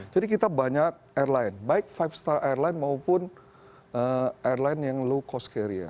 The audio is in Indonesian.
jadi kita banyak airline baik lima star airline maupun airline yang low cost carrier